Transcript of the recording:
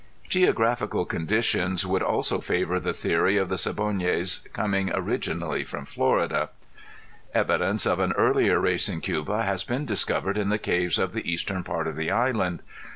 Geographical conditions would also favor the theory of the Siboneyes coming originally from Florida. Evidence of an earlier race in Cuba has been discovered in the caves of the eastern part of the island.